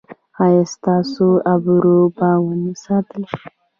ایا ستاسو ابرو به و نه ساتل شي؟